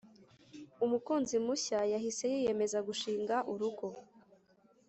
umukunzi mushya yahise yiyemeza gushinga urugo